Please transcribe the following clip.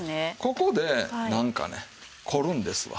ここでなんかね凝るんですわ。